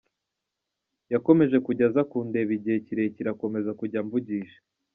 Yakomeje kujya aza kundeba igihe kirekire akomeza kujya amvugisha.